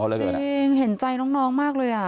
จริงเห็นใจน้องมากเลย